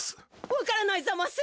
わからないざます！